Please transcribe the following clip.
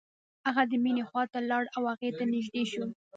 هغه د مينې خواته لاړ او هغې ته نږدې شو.